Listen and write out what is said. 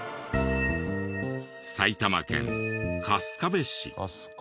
埼玉県春日部市。